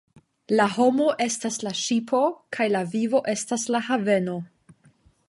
La homo estas la ŝipo kaj la vivo estas la haveno.